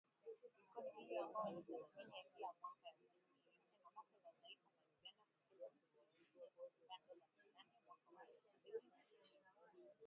Ripoti hiyo, ambayo ni tathmini ya kila mwaka ya uchumi, ilisema pato la taifa la Uganda kwa kila mtu lilifikia takriban dola mia nane mwaka wa elfu mbili na ishirini.